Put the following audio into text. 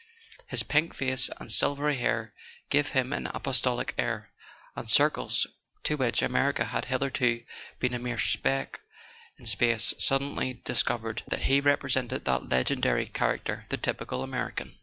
His pink face and silvery hair gave him an apostolic air, and circles to which America had hitherto been a mere speck in space suddenly dis¬ covered that he represented that legendary character, the Typical American.